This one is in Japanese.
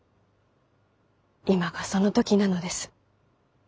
今がその時なのです。